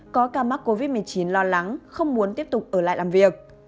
có ca mắc covid một mươi chín lo lắng không muốn tiếp tục ở lại làm việc